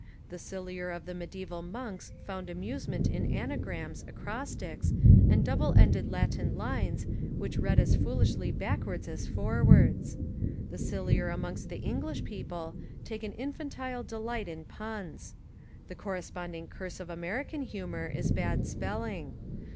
The sillier of the mediaeval monks found amusement in anagrams, acrostics, and double ended Latin lines which read as foolishly backwards as for wards. The sillier amongst the English people take an infantile delight in puns. The corres ponding curse of American humour is bad spell ing.